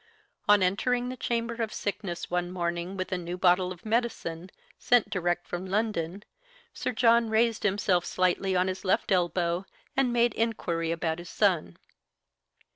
On entering the chamber of sickness one morning with a new bottle of medicine, sent direct from London, Sir John raised himself slightly on his left elbow and made inquiry about his son.